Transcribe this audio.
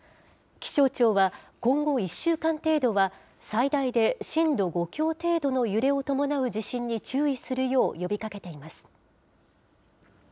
気象庁は、今後１週間程度は最大で震度５強程度の揺れを伴う地震に注意するよう呼びかけています。